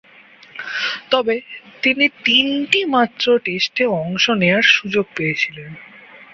তবে, তিনি তিনটিমাত্র টেস্টে অংশ নেয়ার সুযোগ পেয়েছিলেন।